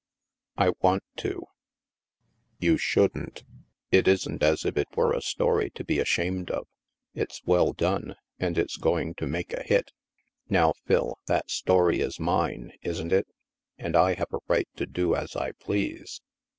I want to." You shouldn't. It isn't as if it were a story to be ashamed of. It's well done, and it's going to make a hit." " Now, Phil, that story is mine, isn't it ? And I have a right to do as I please